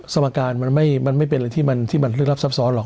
สมการมันไม่เป็นอะไรที่มันลึกลับซับซ้อนหรอก